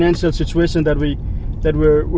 karena situasi finansial yang kita lalui